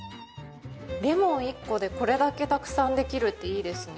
レモン１個でこれだけたくさんできるっていいですね。